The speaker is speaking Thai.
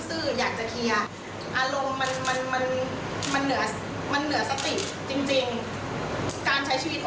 โอจะระงับระงบอารมณ์ให้มากกว่านี้